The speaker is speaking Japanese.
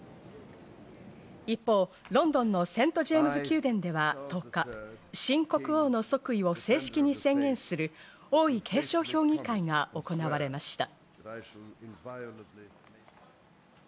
一方、ロンドンのセントジェームズ宮殿では１０日、新国王の即位を正式に宣言する王位継承評議会が行われました。